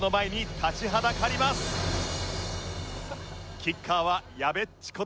キッカーはやべっちこと